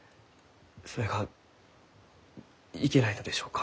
それがいけないのでしょうか？